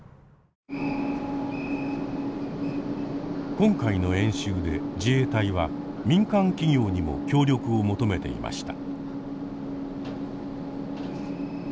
今回の演習で自衛隊は「民間企業」にも協力を求めていました。